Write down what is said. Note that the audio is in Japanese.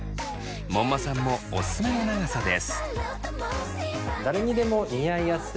門馬さんもおすすめの長さです。